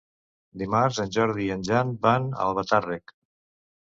Dimarts en Jordi i en Jan van a Albatàrrec.